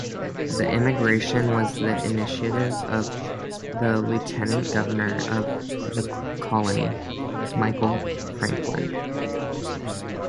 The immigration was the initiative of the Lieutenant Governor of the colony, Michael Francklin.